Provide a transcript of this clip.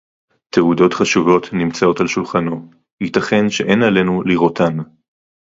תְּעוּדוֹת חֲשׁוּבוֹת נִמְצָאוֹת עַל שֻׁלְחָנוֹ, יִתָּכֵן שֶׁאֵין עָלֵינוּ לִרְאוֹתָן.